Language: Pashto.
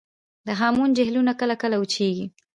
د هامون جهیلونه کله کله وچیږي